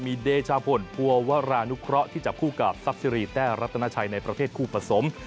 มีเดชาพลภัวรานุเคราะห์ที่จับคู่กับซับซิรีแต้รัตนาชัยในประเภทคู่ผสม